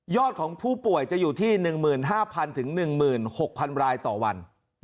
ของผู้ป่วยจะอยู่ที่๑๕๐๐๑๖๐๐รายต่อวัน